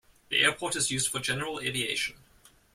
The airport is used for general aviation.